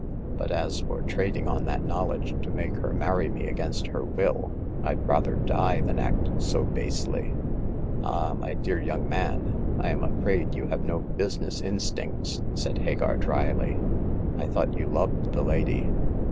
But as for trading on that knowledge to make her marry me against her will, Td rather die than act so basely !" '*Ah, my dear young man, I am afraid you have no business instincts," said Hagar, dryly. I thought you loved the lady."